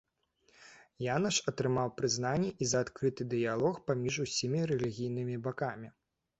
Янаш атрымаў прызнанне і за адкрыты дыялог паміж усімі рэлігійнымі бакамі.